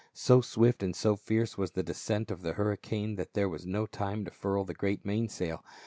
So swift and so fierce was the descent of the hurri cane that there was no time to furl the great main sail.